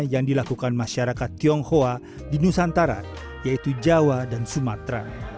yang dilakukan masyarakat tionghoa di nusantara yaitu jawa dan sumatera